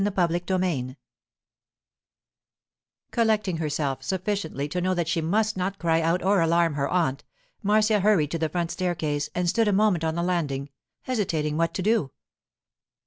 CHAPTER XXIV COLLECTING herself sufficiently to know that she must not cry out or alarm her aunt, Marcia hurried to the front staircase and stood a moment on the landing, hesitating what to do.